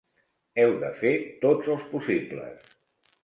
Heu de fer tots els possibles.